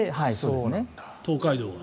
東海道は。